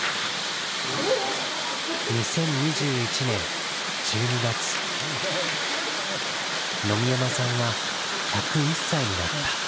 ２０２１年１２月野見山さんは１０１歳になった